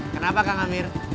kenapa kang amir